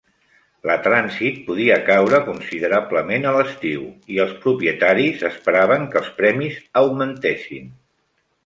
La trànsit podia caure considerablement a l'estiu i els propietaris esperaven que els premis augmentessin.